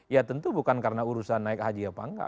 ya tentu bukan karena urusan naik haji apa enggak